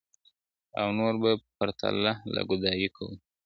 او نور به پرته له ګدايۍ کولو ,